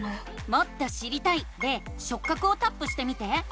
「もっと知りたい」で「しょっ角」をタップしてみて。